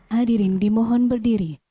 hadirin dimohon berdiri